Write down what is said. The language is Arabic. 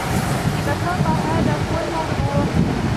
ببساطة هذا هو الموضوع.